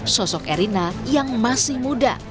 sosok erina yang masih muda